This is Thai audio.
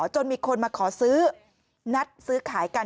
จนมีคนมาขอซื้อนัดซื้อขายกัน